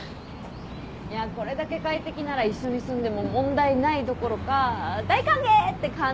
いやこれだけ快適なら一緒に住んでも問題ないどころか大歓迎って感じ。